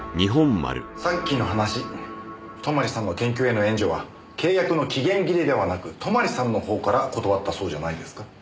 さっきの話泊さんの研究への援助は契約の期限切れではなく泊さんの方から断ったそうじゃないですか。